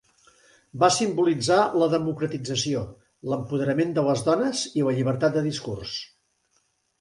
Va simbolitzar la democratització, l'empoderament de les dones i la llibertat de discurs.